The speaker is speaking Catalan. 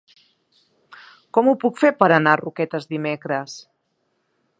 Com ho puc fer per anar a Roquetes dimecres?